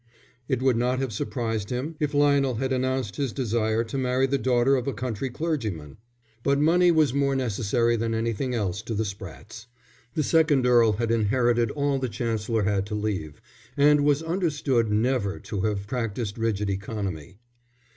It would not have surprised him if Lionel had announced his desire to marry the daughter of a country clergyman. But money was more necessary than anything else to the Sprattes. The second earl had inherited all the Chancellor had to leave, and was understood never to have practised rigid economy.